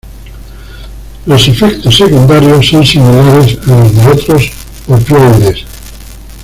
Los efectos secundarios son similares a las de otros opioides.